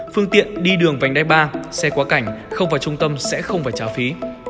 phương tiện đi đường vành đai ba xe quá cảnh không vào trung tâm sẽ không phải trả phí